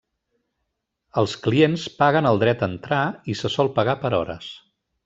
Els clients paguen el dret a entrar, i se sol pagar per hores.